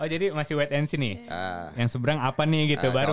oh jadi masih white and see nih yang seberang apa nih gitu